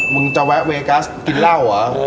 มึงจะแวะเวกัสกินเหล้าเหรอ